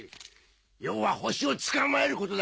要はホシを捕まえることだ。